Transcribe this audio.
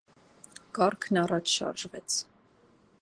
Կառքն առաջ շարժվեց: